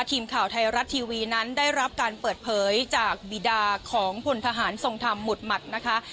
ทีมข่าวไทยรัฐทีวีนั้นได้รับการเปิดเผยจากบีดาของพลทหารทรงธรรมหมุดหมัดนะคะ